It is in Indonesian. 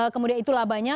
kemudian itu labanya